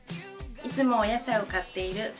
いつもお野菜を買っているし